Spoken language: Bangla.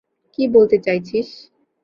কী বলতে চাইছিস?